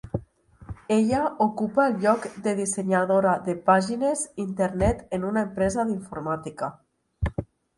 Ella ocupa el lloc de dissenyadora de pàgines internet en una empresa d'informàtica.